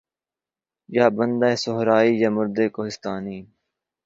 یا بندہ صحرائی یا مرد کہستانی